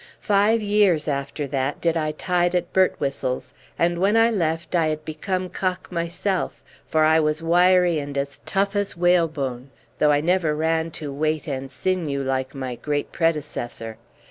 Five years after that did I tide at Birtwhistle's, and when I left had become cock myself, for I was wiry and as tough as whalebone, though I never ran to weight and sinew like my great predecessor.